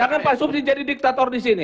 jangan pak subri jadi diktator di sini